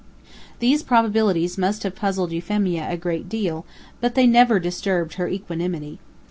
These probabilities must have puzzled Euphemia a great deal, but they never disturbed her equanimity.